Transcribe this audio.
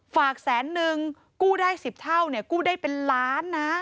ฝากแสนหนึ่งกูได้๑๐เท่ากูได้เป็นล้านนะ